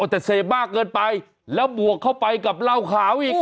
แต่เสพมากเกินไปแล้วบวกเข้าไปกับเหล้าขาวอีก